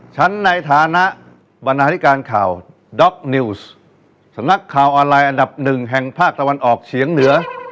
ฉันในฐานะบรรณาธิการข่าวด็อกนิวส์สำนักข่าวออนไลน์อันดับหนึ่งแห่งภาคตะวันออกเฉียงเหนือ